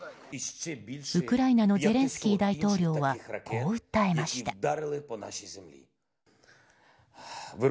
ウクライナのゼレンスキー大統領はこう訴えました。